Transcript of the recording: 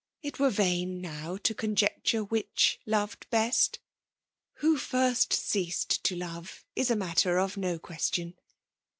It were vain now to conjecture which loved best : who first ceased to love is a matter of no question.